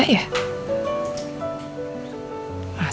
masa sih apa aku error